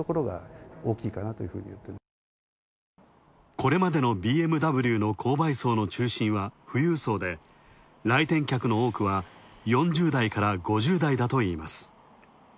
これまでのＢＭＷの購買層の中心は富裕層で、来店客の多くは４０代から５０代だといいます。